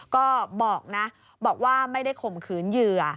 ก็บอกนะบอกว่าไม่ได้ข่มขืนเหยื่อ